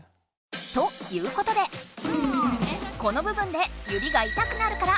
ということでこのぶ分で指がいたくなるからでした。